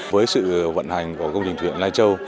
với sự vận hành của công trình thuyền lai châu